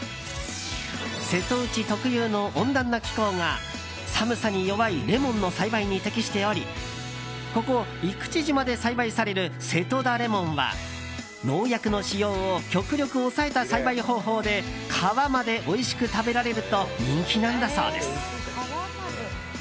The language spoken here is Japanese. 瀬戸内特有の温暖な気候が寒さに弱いレモンの栽培に適しておりここ生口島で栽培される瀬戸田レモンは農薬の使用を極力抑えた栽培方法で皮までおいしく食べられると人気なんだそうです。